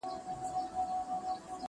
ویل خلاص مي کړې له غمه انعام څه دی.!